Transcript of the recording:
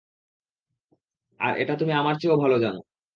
আর এটা তুমি আমার চেয়েও ভালো জানো।